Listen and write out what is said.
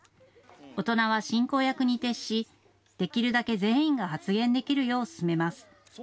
大人は進行役に徹し、できるだけ全員が発言できるよう進めます。